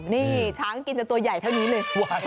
นี่ช้างกินแต่ตัวใหญ่เท่านี้เลย